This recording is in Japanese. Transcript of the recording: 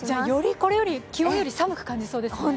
これより、気温より寒く感じそうですね。